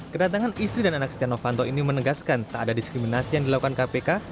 kedatangan istri dan anak setia novanto ini menegaskan tak ada diskriminasi yang dilakukan kpk